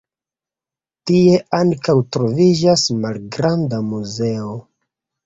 Tie ankaŭ troviĝas malgranda muzeo.